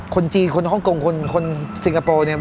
คนจีนคนฮ่องกงคนสิงคโปร์เนี่ย